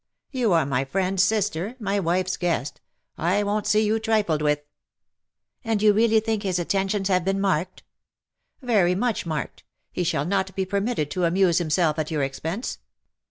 '* ^^You are my friend's sister — my wife's guest. I won't see you trifled with." ^^ And you really think his attentions have been marked ?"'^ Very much marked. He shall not be per mitted to amuse himself at your expense.